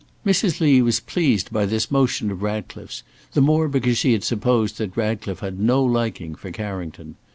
Mrs. Lee was pleased by this motion of Ratcliffe's, the more because she had supposed that Ratcliffe had no liking for Carrington.